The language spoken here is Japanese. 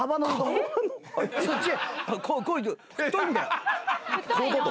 こういうこと？